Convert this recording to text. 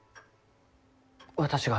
私が？